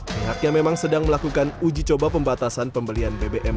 pihaknya memang sedang melakukan uji coba pembatasan pembelian bbm